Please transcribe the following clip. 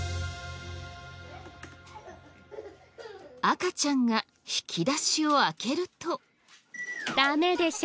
赤ちゃんが引き出しを開けると。